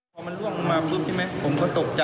พอมันล่วงลงมาปุ๊บใช่ไหมผมก็ตกใจ